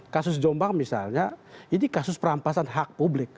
kasus jombang misalnya ini kasus perampasan hak publik